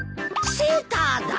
セーターだ。